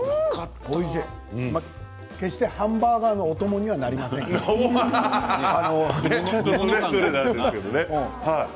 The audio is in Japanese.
決してハンバーガーのお供にはなりませんけど。